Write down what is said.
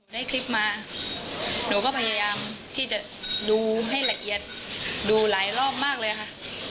ได้คลิปมาหนูก็พยายามที่จะดูให้ละเอียดดูหลายรอบมากเลยค่ะ